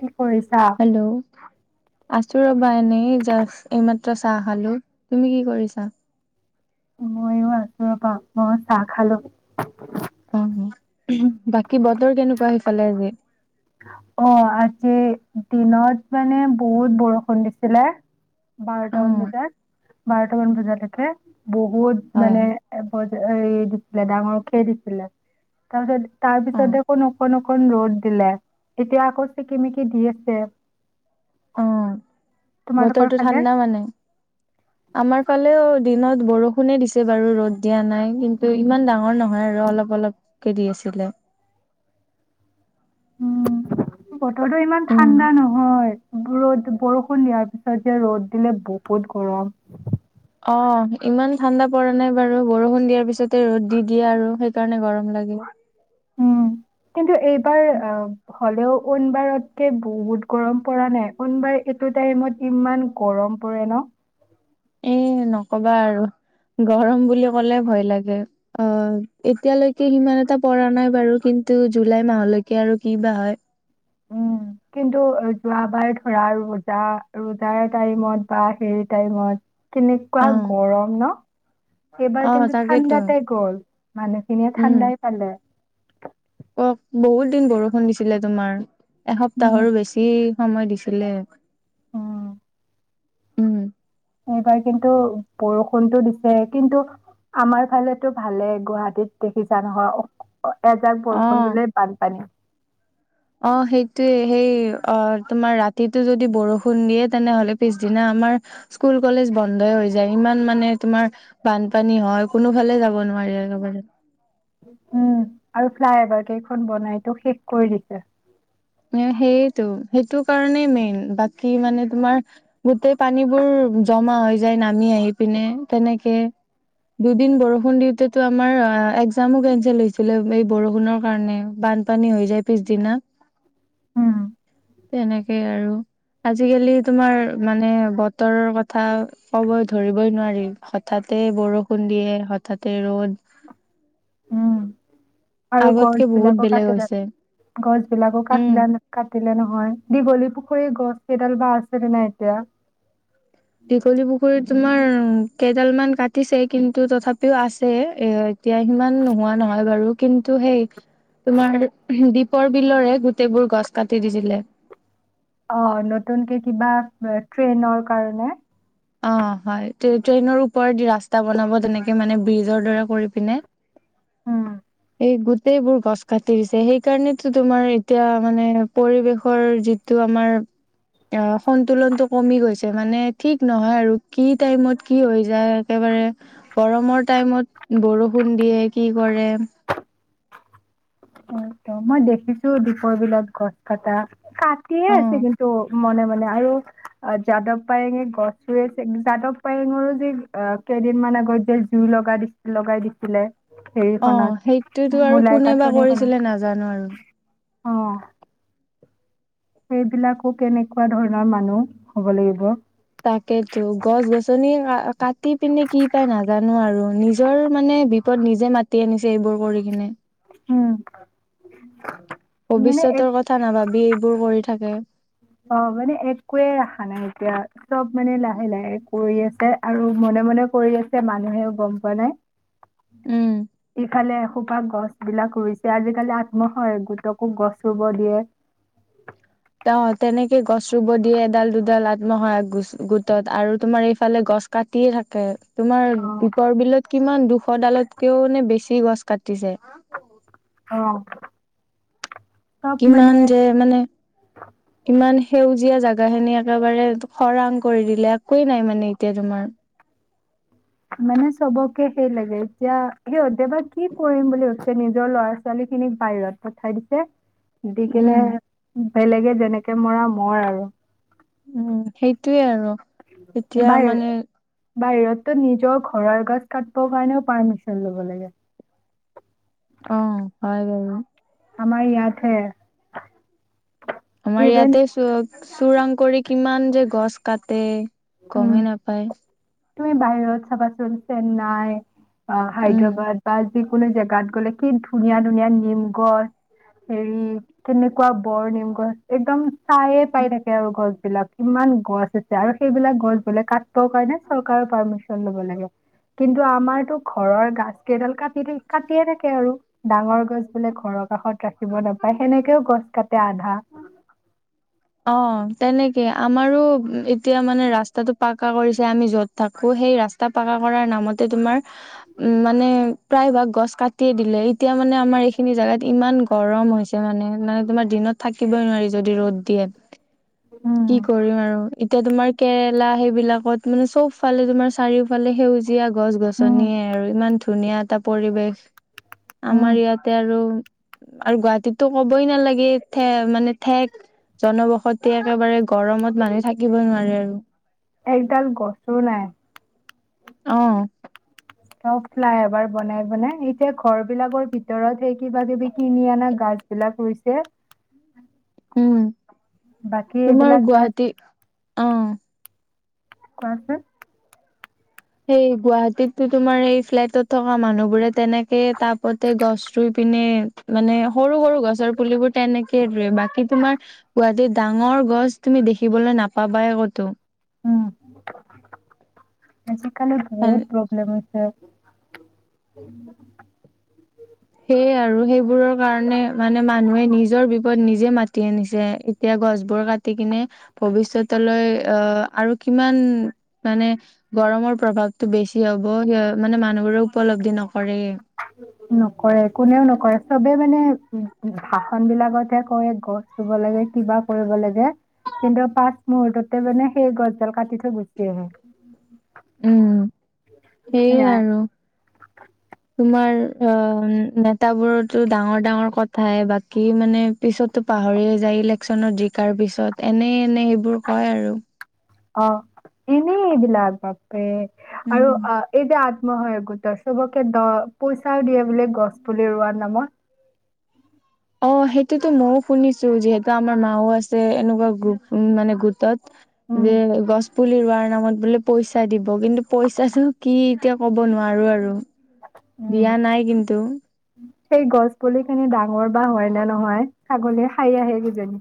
কি কৰিছা? হেল্ল' আছো ৰ'বা এনেই, এ জাষ্ট এইমাত্ৰ চাহ খালো, তুমি কি কৰিছা? ময়ো আছো ৰ'বা, মই চাহ খালো। অ', বাকী বতৰ কেনেকুৱা সেইফালে আজি? অ', আজি দিনত মানে বহুত বৰষুণ দিছিলে। অ বাৰটা মান বজাত। বাৰটা মান বজালেকে। বহুত হয় মানে হয় এ ফ এই দিছিলে ডাঙৰ কে দিছি খোলা তাৰপিছত অ তাৰপিছতে আকৌ অকন অকন ৰ'দ দিলে। এতিয়া আকৌ চিকি মিকি দি আছে। অঁ তোমালোকৰ বতৰটো ফালে? ঠাণ্ডা মানে, আমাৰ ফালেও দিনত বৰষুণে দিছে বাৰু ৰ'দ দিয়া নাই কিন্তু ইমান ডাঙৰ নহয় আৰু অলপ অলপকে দি আছিলে। উম, বতৰটো ইমান উম ঠাণ্ডা নহয়। ৰ'দ বৰষুণ দিয়াৰ পিছত যে ৰ'দ দিলে বহুত গৰম। অ ইমান ঠাণ্ডা পৰা নাই বাৰু বৰষুণ দিয়াৰ পিছতে ৰ'দ দি দিয়ে আৰু সেইকাৰণে গৰম লাগে। উম কিন্তু এই তই অ হ'লেও অন বাৰতকে বহুত গৰম পৰা নাই, অন বাৰ এইটো টাইমত ইমান গৰম পৰে ন? এ নকবা আৰু গৰম বুলি কলে ভয় লাগে, অ এতিয়ালৈকে সিমান এটা পৰা নাই বাৰু কিন্তু জুলাই মাহলৈকে আৰু কি বা হয়। উম। কিন্তু যোৱাবাৰ ধৰা ৰোজা ৰোজাৰ টাইমত বা হেৰি টাইমত কেনেকুৱা অ গৰম ন? এইবাৰ অ কিন্তু তাকেইতো ঠাণ্ডাতে গ'ল, মানুহখিনিয়ে ঠাণ্ডাই পালে। ক বহুত দিন বৰষুণ দিছিলে তোমাৰ। উম। এসপ্তাহৰো বেছি! সময় দিছিলে। উম। উম এইবাৰ কিন্তু বৰষুণতটো দিছে কিন্তু আমাৰ ফালেতো ভালে গুৱাহাটীত দেখিছা নহয় অ এজাক অ বৰষুণ দিলে বানপানী অ সেইটোৱে সেই অ তোমাৰ ৰাতিটো যদি বৰষুণ দিয়ে তেনেহলে পিছদিনা আমাৰ স্কুল কলেজ বন্ধই হৈ যায় ইমান মানে তোমাৰ বানপানী হয় কোনো ফালে যাব নোৱাৰি আৰু উম আৰু ফ্লাই এবাৰ কেইখন বনাইটো শেষ কৰি দিছে ন সেইটো সেইটো কাৰণেই মেইন বাকী মানে তোমাৰ গোটেই পানীবোৰ জমা হৈ যায় নামি আহি পিনে তেনেকে দুদিন বৰষুণ দিওঁতে আমাৰ একজামো কেচেল হৈছিলে এই বৰষুণৰ কাৰণে বানপানী হৈ যায় পিছদিনা উম তেনেকেই আৰু আজিকালি তোমাৰ মানে বতৰৰ কথা কব ধৰিবই নোৱাৰি হঠাতে বৰষুণ দিয়ে হঠাতে ৰ'দ উম। আৰু গছ আগতকে বহুত বিলাকো বেলেগ কাটিলা হৈছে গছ বিলাকো উম কাটলা কাটিলে নহয় দীঘলী পুখুৰী গছ কেইডাল বা আছে ন নাই এতিয়া দীঘলী পুখুৰীত তোমাৰ কেইডালমান কাটিছে কিন্তু তথাপিও আছে এ এতিয়া সিমান নোহোৱা নহয় বাৰু কিন্তু সেই তোমাৰ দীপৰ বিলৰে গোটেইবোৰ গছ কাটি দিছিলে অ নতুনকে কিবা ট্ৰেইনৰ কাৰণে অ হয় ট্ৰেইনৰ ওপৰতদি ৰাস্তা বনাব তেনেকে মানে ব্ৰিজৰ দৰে কৰি পিনে উম গোটেইবোৰ গছ কাটি দিছে সেইকাৰণেতো তোমাৰ এতিয়া মানে পৰিৱেশৰ যিটো আমাৰ অঁঁ সন্তুলনতটো কমি গৈছে মানে ঠিক নহয় আৰু কি টাইমত কি হৈ যায় একেবাৰে গৰমৰ টাইমত বৰষুণ দিয়ে কি কৰে অ মই দেখিছো দীপৰ বিলত গছ কটা কাটিয়ে অ আছে কিন্তু মনে মনে আৰু যাদৱ পায়ঙে গছ য়ে আছে যাদৱ পায়েঙৰো যে কেইদিন মান আগত যে জুই লগা দি লগাই দিছিলে অ হেৰিখনত সেইটোয়েতো আৰু মূলাই কোনে বা কৰিছিলে নাজানো আৰু অঁ সেইবিলাকো কেনেকুৱা ধৰণৰ মানুহ হব লাগিব তাকেইেতো গছ গছনি কাটি পিনে কি পায় নাজানো আৰু নিজৰ মানে বিপদ নিজে মাতি আনিছে এইবোৰ কৰি কিনে উম মানে এক ভৱিষ্যতৰ কথা নাভাবি এইবোৰ কৰি থাকে অ মানে একোৱে ৰখা নাই এতিয়া চব মানে লাহে লাহে কৰি আছে আৰু মনে মনে কৰি আছে মানুহেও গম পোৱা নাই উম এইফালে খোপা গছ বিলাক ৰুইছে আজিকালি আত্মসহায়খ গোটকো গছ ৰুব দিয়ে অ তেনেকে গছ ৰুব দিয়ে এডাল দুডাল আত্মসহায়ক গোটক আৰু তোমাৰ এইফালে গছ কাটিয়ে থাকে তোমাৰ অ দীপৰ বিলত কিমান দুশ ডালতকেও নে বেছি গছ কাটিছে অ চব কিমান মানে যে মানে কিমান সেউজীয়া জাগা খিনি একেবাৰে খৰাং কৰি দিলে একোৱেই নাই মানে এতিয়া তোমাৰ মানে চবকে সেই লাগে এতিয়া সিহঁতে বা কি কৰিম বুলি ভাবছে নিজৰ লৰা ছোৱালীখিনিক বাহিৰত পঠাই দিছে দিকেনে উম বেলেগে যেনেকে মৰা মৰ আৰু উম সেইটোয়ে আৰু এতিয়া মানে বাহিৰতো নিজৰ ঘৰৰ গছ কাটিবৰ কাৰণেও পাৰ্মিচন লব লাগে। অঁ হয় বাৰু। আমাৰ ইয়াতহে। আমাৰ ইভেন ইয়াতে চব। চোৰাং কৰি কিমান যে গছ কাটে। উম গমেই নাপায়। তুমি বাহিৰত চাবা চেন্নাইৰ। অ উম হাইদৰাবাদ। যিকোনো জেগাত গ'লে কি ধুনীয়া ধুনীয়া নিম গছ হেৰি কেনেকুৱা বৰ নিম গছ একদম। চাঁয়ে পাই থাকে আৰু গছ। বিলাক কিমান গছ আছে। আৰু সেইবিলাক গছ বোলে কাটিবৰ কাৰণে। চৰকাৰৰ পাৰ্মিচন লব লাগে। কিন্তু আমাৰতো ঘৰৰ গছ কেইডাল কাটিয়ে থাকে। আৰু ডাঙৰ গছ বোলে ঘৰৰ কাষত। ৰাখিব নাপায় সেনেকেও গছ কাটে আধা। অ তেনেকে আমাৰো এতিয়া মানে ৰাস্তাটো পাককা কৰিছে। আমি যত থাকো সেই ৰাস্তা পাককা কৰাৰ নামতে তোমাৰ উ মানে প্ৰায় ভাগ গছ কাটিয়ে দিলে। এতিয়া মানে আমাৰ এইখিনি জেগাত ইমান। গৰম হৈছে মানে, নাই তোমাৰ দিনত থাকিবই নোৱাৰি যদি ৰ'দ দিয়ে। উম কি কৰিম আৰু। এতিয়া তোমাৰ কেৰেলা সেইবিলাকত মানে চবফালে তোমাৰ চাৰিওফালে সেউজ এতিয়া গছ উম গছনিয়ে আৰু ইমান ধুনীয়া তাত পৰিৱেশ উম আমাৰ ইয়াতে আৰু আৰু গুৱাহাটীতো কবই নালাগে ঠে মানে ঠেক জনবসতি একেবাৰে গৰমত মানুহ থাকিব নোৱাৰে আৰু একডাল গছো নাই। অঁ [unintelligible] এবাৰ বনাই- বনাই, এতিয়া ঘৰ বিলাকৰ ভিতৰত সেই কিবা কিবি কিনি আনা গাছ বিলাক হৈছে উম তোমাৰ এইবিলাক গাছ গুৱাহাটী, অ। কোৱাছোন। সেই গুৱাহাটীততো তোমাৰ এই ফ্লেটত থকা মানুহবোৰে তেনেকে তাপতে গছ ৰুই পিনে মানে সৰু-সৰু গছৰ পুলিবোৰ তেনেকে ৰুৱে, বাকী তোমাৰ গুৱাহাটীত ডাঙৰ গছ তুমি দেখিবলৈ নাপাবাই ক'তো। উম খালে বহুত প্ৰব্লেম হয়। উম উম [unintelligible] সেইয়ে আৰু সেইবোৰৰ কাৰণে মানে মানুহে নিজৰ বিপদ নিজে মাতি আনিছে, এতিয়া গছবোৰ কাটি কিনে ভৱিষ্যতলৈ আহ আৰু কিমান মানে গৰমৰ প্ৰভাৱতটো বেছি হ'ব সেইয়া মানে মানুহবোৰে উপলব্ধি নক [unintelligible] কৰে কোনেও নকৰে, চবে মানে উম ভাষন বিলাকতহে কয় গছ ৰুব লাগে কিবা কৰিব লাগে, কিন্তু পাচ মুহুৰ্ততে মানে সেই গছ ডাল কাটি থৈ গুচি আহে। উম সেইয়ে সেয়াই আৰু তোমাৰ অঁ, নেতাবোৰৰতো ডাঙৰ ডাঙৰ কথাই বাকী মানে পিছতো পাহৰিয়ে যায় ইলেকশচনত জিকাৰ পিছত এনে এনে সেইবোৰ কয় আৰু। অঁ এনেই এইবিলাক বাপৰে আৰু উম অঁ এই যে আত্মসহায়ক গোটৰ, চবকে দ পইচাও দিয়ে বোলে গছ পুলি ৰোৱাৰ নামত। অঁ, সেইটোতো মইও শুনিছো যিহেতু আমাৰ মাও আছে এনেকুৱা গ মানে গোটত। উম যে গছ পুলি ৰোৱাৰ নামত বোলে পইচা দিব, কিন্তু পইচাটো কি এতিয়া ক'ব নোৱাৰো আৰু। উম দিয়া নাই কিন্তু। সেই গছ পুলিখিনি ডা মৰ বা হয় না নহয়। ছাগলীয়ে খাই আহে কিজানী।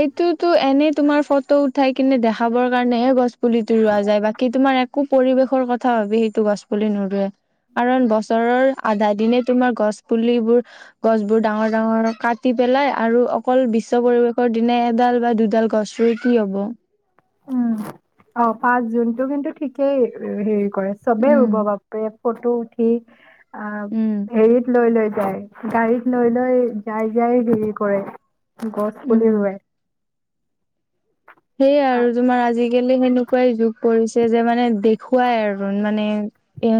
এইটোতো এনে। তোমাৰ ফটো উঠাই কিনে দেখাবৰ কাৰণেহে গছ। পুলি তটো ৰোৱা যায় বাকী তোমাৰ এক। একো পৰিবেশৰ কথা ভাবি সেইটো গছ পুলি নৰুোৱে। কাৰণ বছৰৰ আধা দিনে তোমাৰ গছ পুলিবোৰ গছবোৰ ডাঙৰ ডাঙৰ কাটি পেলাই। আৰু অকল বিশ্ব পৰিৱেশ। দিনা এডাল বা দুডাল গছ ৰুই কি হব। উম অ পাঁচ জুনতটো কিন্তু ঠিকেই হেৰি। কৰে চবে উম ৰুব বাপে। ফটো উঠি। অ উম হেৰিত লৈ লৈ। গাড়ীত লৈ লৈ যাই যাই দেৰি কৰে। গছ পুলি উম ৰুৱে। সেইয়াই আ- আৰু তোমাৰ। আজিকালি সেনেকুৱাই যুগ পৰিছে যে মানে দেখুৱাই আৰু মানে এ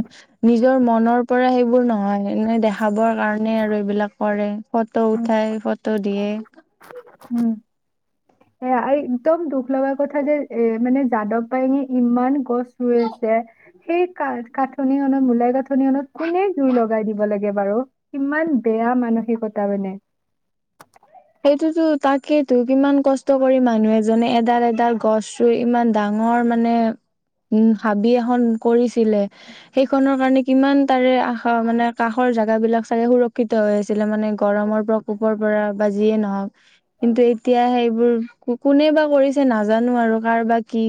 নিজৰ মনৰ পৰা সেইবোৰ নহয় দেখাব। কাৰণে আৰু এইবিলাক কৰে ফটো উম উঠাই ফটো দিয়ে। উম এ একদম দুখ লগা কথা যে এ মানে যাদৱ পায়ঙি ইমান গছ ৰুই আছে। সেই কা কাঠনিখনত মূলাই কাঠনিখনত কোনে জুই লগাই দিব লাগে বাৰু কিমান বেয়া মানসিকতা মানে। সেইটোতো তাকেইেতো কিমান কষ্ট কৰি মানুহ এজনে এডাল এডাল গছ ৰুই ইমান ডাঙৰ মানে উ হাবি এখন কৰিছিলে। সেইখনৰ কাৰণে কিমান তাৰে আশা মানে কাষৰ জোগা বিলাক চাগে সুৰক্ষিত হৈ আছিলে। মানে গৰমৰ প্ৰকোপৰ পৰা। বা যিয়ে নহওক কিন্তু এতিয়া সেইবোৰ কোনে বা কৰিছে নাজানো আৰু কাৰো বা কি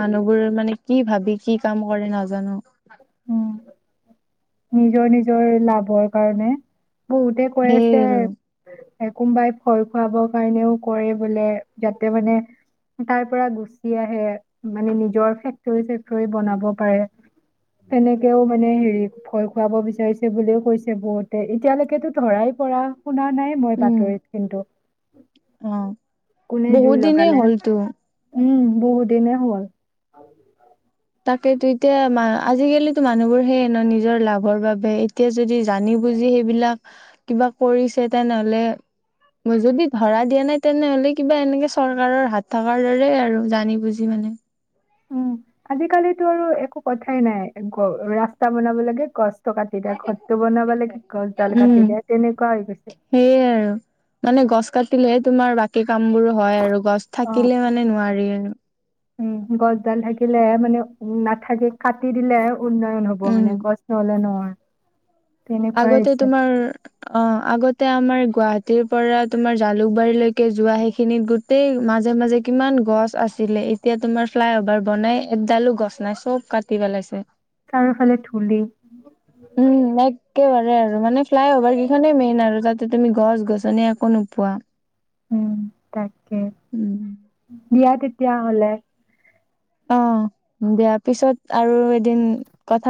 মানুহবোৰ মানে কি ভাবি কি কাম কৰে নাজানো। উম নিজৰ নিজৰ লাভৰ কাৰণে। বহুতে কৈ সেই আছে। আৰু কোনবাই ভয় খুৱাবৰ কাৰণেও কৰে বোলে। যাতে মানে তাৰ পৰা গুচি আহে মানে নিজৰ ফেক্টৰী চেক্টৰ বনাব পাৰে তেনেকেও মানে হেৰি। ভয় খুৱাব বিচাৰিছে বুলিও কৈছে। বহুতে এতিয়ালৈকেতো ধৰাই পৰা। শুনা নাই মই উম বাতৰিত কিন্তু অ কোনে জুই বহুত দিনেই লগালে। হ'লতো উম বহুত দিনে হ'ল তাকেতো এতিয়া আজিকালিো মানুহবোৰ সেইয়ে ন নিজৰ লাভৰ বাবে এতিয়া যদি জানি বুজি সেইবিলাক কিবা কৰিছে তেনেহলে যদি ধৰা দিয়া নাই তেনেহলে কিবা এনেকে চৰকাৰৰ হাত থকাৰ দৰে আৰু জানি বুজি মানে। উম আজিকালিতো আৰু একো কথাই নাই ৰাস্তা বনাব লাগে গছ কাটি দিয়ে ঘৰটো বনাব লাগে গছডাল উম কাটি দিয়ে তেনেকুৱা হৈ গৈছে। কাটিলে তোমাৰ বাকী কাম বোৰ হয় আৰু গছ অ', থাকিলে মানে নোৱাৰি আৰু। উম গছডাল থাকিলে মানে উ নাথাকে কাটি দিলে উন্নয়ন হ'ব মানে উম গছ নহ'লে নহয়। তেনেকুৱাই আগতে হৈছে তোমাৰ অ আগতে আমাৰ গুৱাহীৰ পৰা তোমাৰ জালুকবাৰীলৈকে যোৱা সেইখিনিত গোতেই মাজে মাজে কিমান গছ আছিলে, এতিয়া তোমাৰ ফ্লাই অভাৰ বনাই এডালো গছ নাই চব কাটি পেলাইছে। চাৰিফালে ধূলি উম একেবাৰে আৰু মানে ফ্লাই অভাৰ কেইখনেই মেইন আৰু তাতে তুমি গছ গছনি একো নোপোৱা। উম তাকে উম দিয়া তেতিয়া হ'লে। অ বিয়া পিছত আৰু এদিন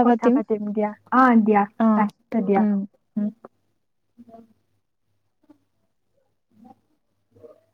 কথা পাতিম দিয়া অ দিয়া অ ৰাখিছো দিয়া উম উম। [unintelligible] [unintelligible] [unintelligible]